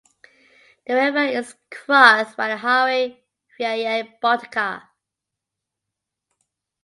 The river is crossed by the highway Via Baltica.